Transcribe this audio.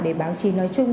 để báo chí nói chung